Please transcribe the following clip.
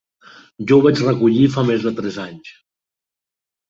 Jo ho vaig recollir fa més de tres anys.